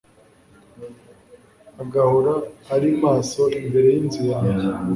agahora ari maso imbere y'inzu yanjye